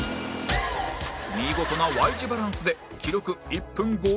見事な Ｙ 字バランスで記録１分５０秒